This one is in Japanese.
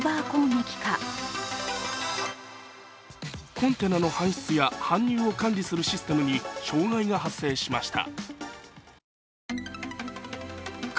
コンテナの搬出や搬入を管理するシステムに障害が発生しました。